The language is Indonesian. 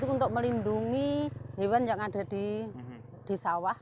untuk melindungi hewan yang ada di sawah